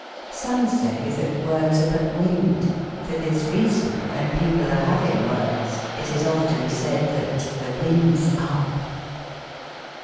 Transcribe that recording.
Some say that words are but wind : for this reason, when people are having words, it is often said, that "the wind's up."